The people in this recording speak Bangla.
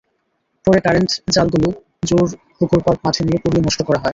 পরে কারেন্ট জালগুলো জোড় পুকুরপাড় মাঠে নিয়ে পুড়িয়ে নষ্ট করা হয়।